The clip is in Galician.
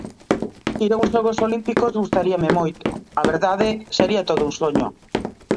Ir a uns Xogos Olímpicos gustaríame moito, a verdade, sería todo un soño.